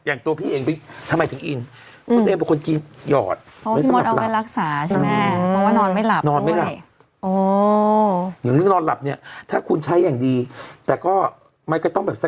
อย่างตัวพี่เองทำไมถึงอิ่ง